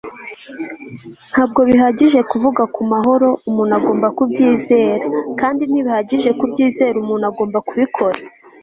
ntabwo bihagije kuvuga ku mahoro umuntu agomba kubyizera kandi ntibihagije kubyizera umuntu agomba kubikora